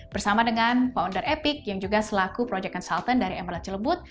bersama dengan founder epic yang juga selaku project consultant dari emerald celebut